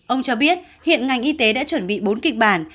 ông cho biết hiện ngành y tế đã chuẩn bị bốn kịch bản